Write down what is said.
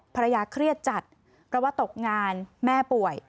เครียดจัดเพราะว่าตกงานแม่ป่วย